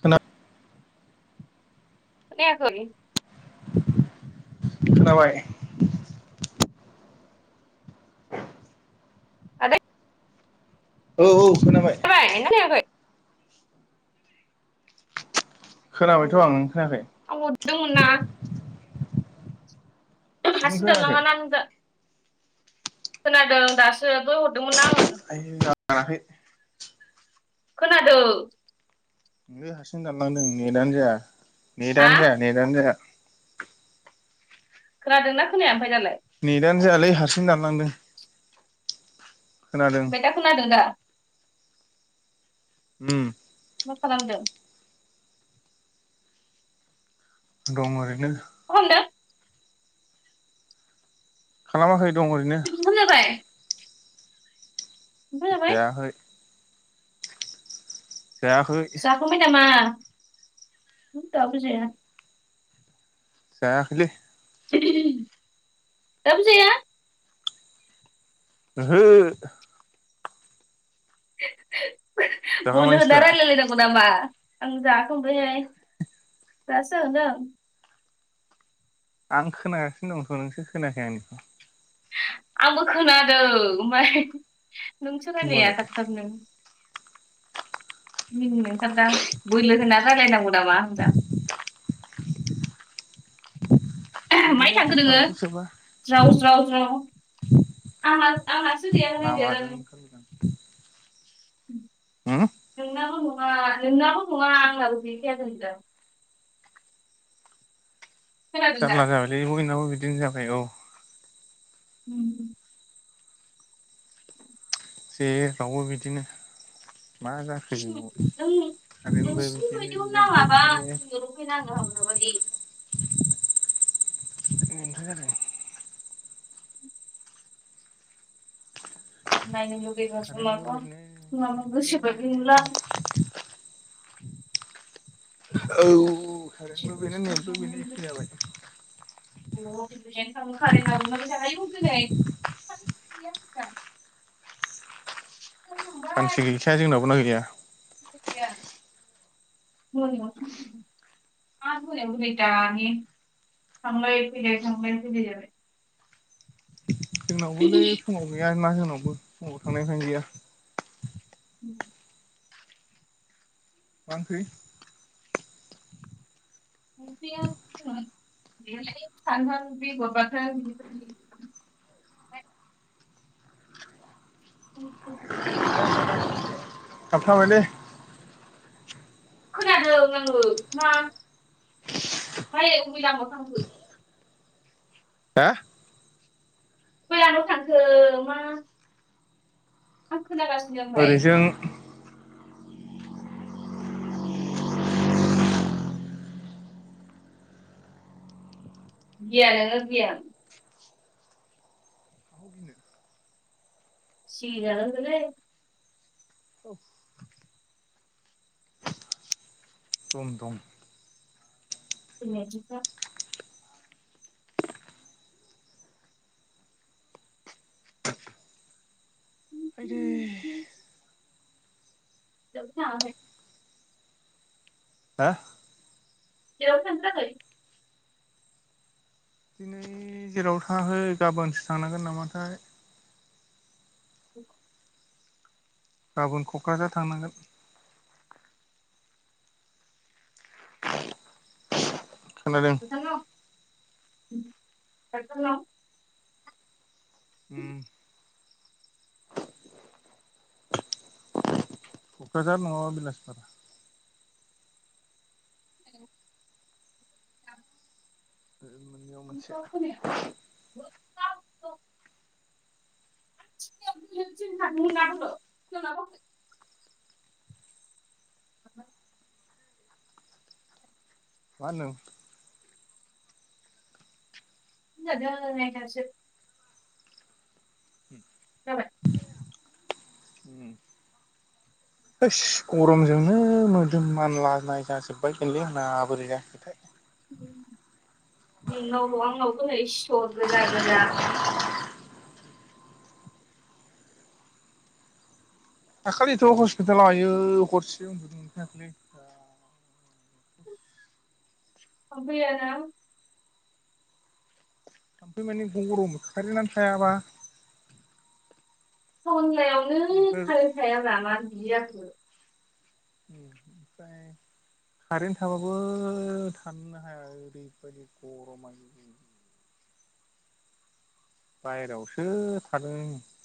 खोना खोनायाखै? खोनाबाय। [unintelligible] औ औ खोनाबाय [inaudible] [unintelligible] खोनाबायथ' उम आं नों खोनायाखै? आं हरदोंमोन मा नों सिनथा खोनायाखै खालामनाय, मा नुदों? खोनादों दासो दहाय हरदोंमोन आङो। जायाखै खोनादों ऐ हारसिं देनलांदों नेतआनो जाया, हा नेतआनो जाया, नेतआनो जाला। खोनादोंना खोनाया ओमफ्राय दालाय? नेतआनो जायालै हारसिं दानलांदों। खोनादों ओमफ्राय दा खोनादोंदा? उम मा खालामदों? दं ओरैनो। मा खालामदों? खालामाखै। दं ओरैनो [unintelligible] [inaudible] ओंखाम जाबाय जायाखै जायाखै जाखांबाय नामा मा दाबो जाया। जायाखैलै दाबो जाया? ओहो जाखांबाय बोलो होना नोंस्रा रायलाय लायनांगौ नामा? आं जाखांबायहाय दासो जाखांदों आं। आं खोनागासिनो दंथ' नोंसो खोनायाखै आंनिखौ। आंबो खोनादों ओमफ्राय नोंसो होमबालाय रायलाया थाब-थाबनो। मिनिनो ओंखारदों आं बोलो होना रायलायनांगौ नामा होनबा। माइ नेटानो थांखो नोङो फालथु सोबा ज्राव-ज्राव-ज्राव? आं आ आंहासो देहायाव नांलाय लामाजों जादों। [unintelligible] उम नोंनाबो नङा नोंनाबो नङा आंनाबो गैखाया दोनदा खोनादों दा जारला जाबायलै बयनावबो बिदिनो जाबाय औ उम-उम जेरावबो बिदिनो मा जाखो जेन'बा खारेनबो नोंसिनि बिदिनो बायदियाव नेदबो नाङाबा बिदिनो एनथ' जोंनियावल' फैनाङो हाग्राबारि जादों नायनो कारेन्टबो लुगैबासो बेनो नेटबो माबा-माबा गोसोबायदि नुला। बेनो औ खारेनबो बेनो जिद'सिम नेदबो बेनो एखे जाबाय। थांनो कारेन्टआबो मारै जाखायो दिनै सानसे गैया [unintelligible] सानसे गैखाया जोंनावाबो नायजाया [unintelligible] हाब मोनायाव फैबाय दानि, थांलाय फैलाय थांलाय फैलाय जाबाय। जोंनावबोलै फुङाव गैयाना जोंनावबो फुङाव थांनायनिफायनो गैया। उम। मा ओंख्रै? [unintelligible] [unintelligible] [unintelligible] [unintelligible] थाबथाबायलै खोनादों आङो मा, बाहेराव बबे लामायाव थांखो? हा? गय आनाव थांखो मा। आं खोनागासिनो ओमफाय? ओरैजों गिया नोंङो गिया। सिगिजागोन बोलैै। दम दं। थैनाया थिखा आयदै थाङाखै हा? जेरावबो थांनो जायाखै? दिनै जेराव थांङाखै गाबोनसो थांनांगोन नामाथाय। [unintelligible] गाबोन क'क्राझार थांनांगोन। खोनादों [unintelligible] उम। क'क्राझार नङाबा बिलासपारा। [unintelligible] बेयाव मोनसे। [unintelligible] [unintelligible] मा होनदों? [unintelligible] [unintelligible] [unintelligible] हैस गरमजोंनो मोदोम मानलानाय जाजोब्बायगोनलै आंना बोरै जाखोथाय? नोंनावल' आंनावथ' नै सिथर गोजा गोजा। दाखालिथ' हस्पिटालाव आयो हरसे उन्दुनो मोनखायाखैलै बा थाम्फैयाना? थाम्फै माने गरम खारेनानो थायाबा। टाउनलायावनो बेफोर कारेन्ट थाया मानो बिदि जाखो? ओमफ्राय कारेेन थाबाबो थानोनो हाया ओरैबायदि गरमानो। [unintelligible] बाहेरावसो थादों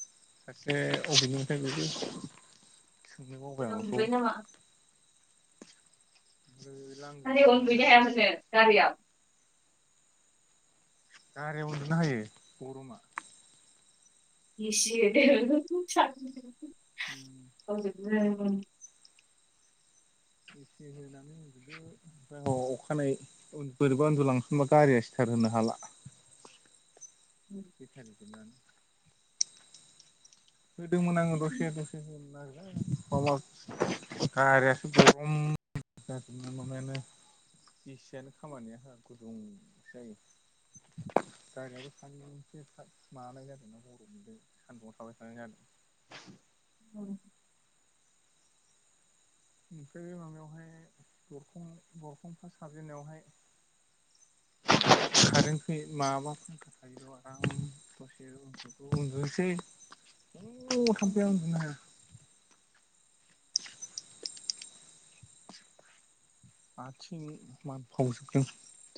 सासे अबेनिथाय बियो सोंनो बावबाय आं जोंनाव बिखौ। उन्दुबाय नामा लांजों गारियाव उनदुहैनो माबायावहाय हाया नोंसोर गारियाव। गारियाव उन्दुनो हायो गरमा? ए सि होदो अखानायै बोरैबा उन्दुलांसनबा गारियासो स्थार होनो हाला। होदोंमोन आङो दसे दसे होदोंमान आरो [unintelligible] बेसेयानो खामानियानो गुदुंसो जायो। [inaudible] [unintelligible] [inaudible] ओमफ्राय बे माबायावहाय दरखं दरखं फास हाबजेननायावहाय [unintelligible] [unintelligible] [unintelligible] आथिं मानफावजोबदों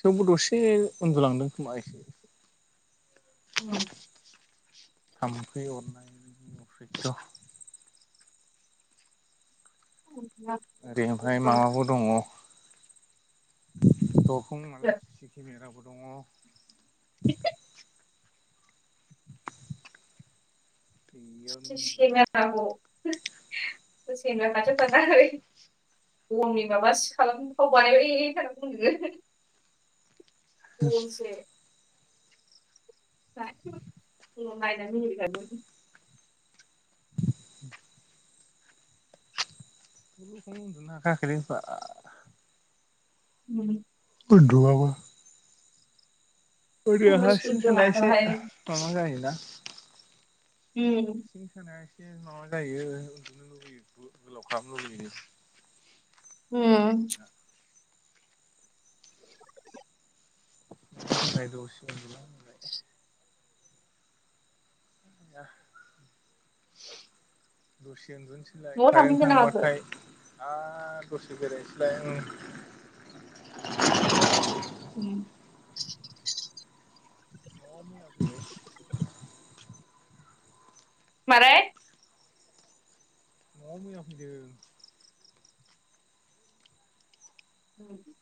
थेवबो दसे उन्दुलांदों खोमा एसे। [inaudible] थाम्फै अरनाय अफैथ' ओरै ओमफ्राय माबाबो दङ दरखं नालाय सिसि केमेराबो दङ। बेयावनो उन्दुबाय [unintelligible] [unintelligible] [unintelligible] [unintelligible] [unintelligible] उ उनदुवाबा ओरैनो हार्बिन थानाया इसे माबा जायोना न'आव [unintelligible] [inaudible] उम [inaudible] [inaudible] [inaudible] दा दसे थांफिनगोन ना माखो बेरायनोसैलाय उम। उम [inaudible] मारै न'आव मैया फैदों [unintelligible] [inaudible]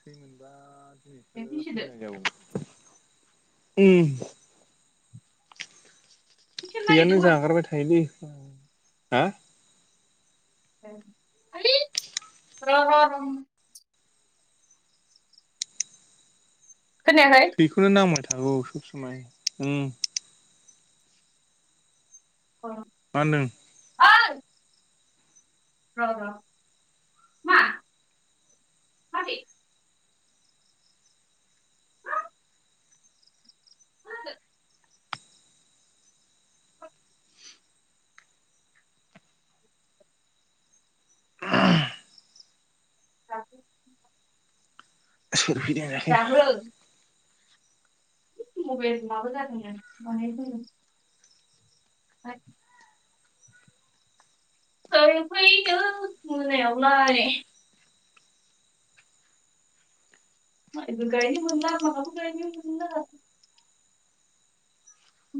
थै मोनबा दिनैसो फिसिदो फैनाय जागौवमोन। उम फिसिनो थैयानो नागिरदोंमोन जागारबाय थायोलै हो [inaudible] खोनायाखै थैखौनो नांबाय थागौ सब समाय उ [inaudible] मा होनदों? ओइ [inaudible] मा [inaudible] [inaudible] [inaudible] दाहो [inaudible] [inaudible] [inaudible] [inaudible] [inaudible]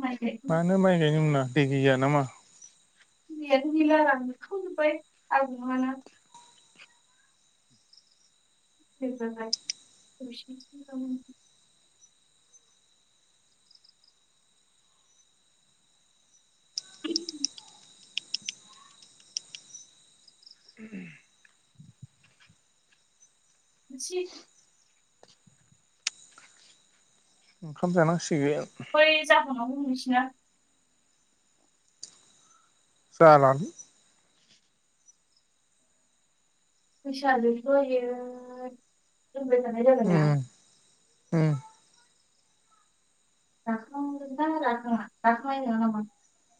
माइ गायखां मानो माइ गायनो मोना दै गैया नामा? [inaudible] [inaudible] [inaudible] ओंखाम जानांसिगोन। [inaudible] [inaudible] उम [inaudible] उम [inaudible]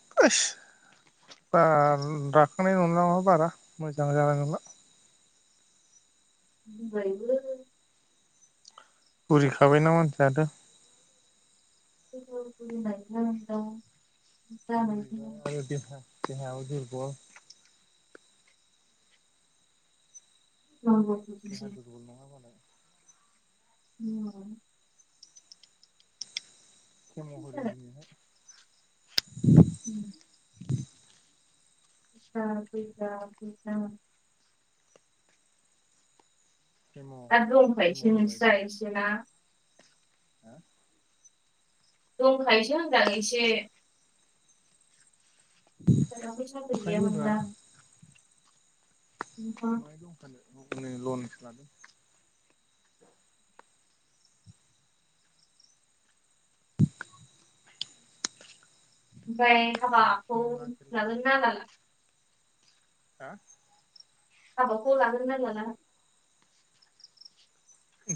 [inaudible] [inaudible] ब [inaudible] बुरिखाबायना मानसियाथ'। [inaudible] [inaudible] [inaudible] [inaudible] [inaudible] उम। [inaudible] केम' केम' [inaudible] ह दंखायोसो होनदां एसे सोरबा फैसा दंखायोब्रा [unintelligible] माहाय दंखानो लनसो लादो बाय हाब फ मानसिनाव नागिरला लागोन ना लाला हा हाबाखौ लागोन ना लाला?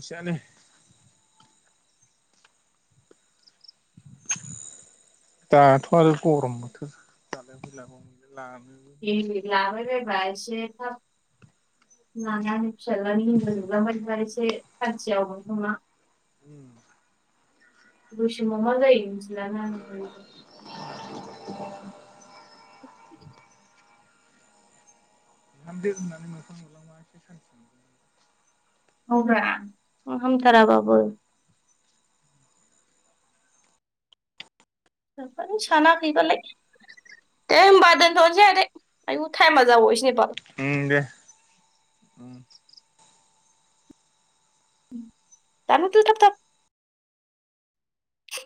सानो [inaudible] दाथ' आरो गरम बोथोर दाल मैला मोन लानो- लााबायबाय एसे थाब फिसाज्लानि हिनजाव नुलांबाय्रा एसे खानथि [unintelligible] उ रुसि मा मा जायोसला नों [inaudible] [inaudible] नाम द होननानै मोखां मोनलाां मा एसे सानसे मोन [unintelligible] ह न सानाखैबालाय दे होनोमबा दोनथ'नोसै आगोय थाइम आ जाबाव बायसो उ दे। दान दो थाब थाब